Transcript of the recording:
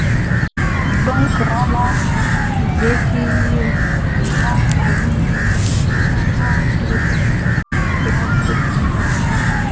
Hurzlum kécra ziki vaŋ élinkə kufon ɗe tokgue vin.